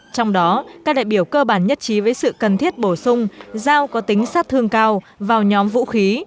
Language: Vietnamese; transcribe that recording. trong đó các đại biểu cơ bản nhất trí với sự cần thiết bổ sung giao có tính sát thương cao vào nhóm vũ khí